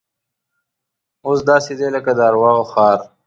اوس داسې دی لکه د ارواو ښار.